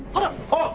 あっ！